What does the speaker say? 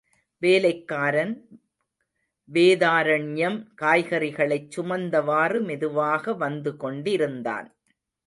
வேலைக்காரன் வேதாரண்யம் காய்கறிகளைச் சுமந்தவாறு மெதுவாக வந்து கொண்டிருந்தான்.